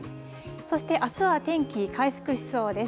そして、あすは天気、回復しそうです。